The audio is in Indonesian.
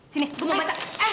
sini gua mau baca